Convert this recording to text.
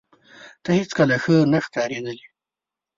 ته هیڅکله ښه نه ښکارېدلې